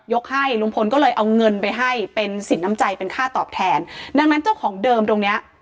ให้ลุงพลก็เลยเอาเงินไปให้เป็นสินน้ำใจเป็นค่าตอบแทนดังนั้นเจ้าของเดิมตรงเนี้ย